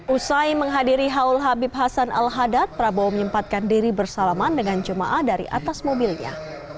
usai menghadiri haul habib hasan al hadad prabowo menyempatkan diri bersalaman dengan jemaah dari atas mobilnya